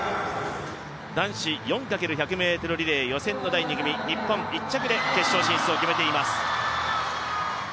男子４×１００ｍリレー予選の第２組日本、１着で決勝進出を決めています。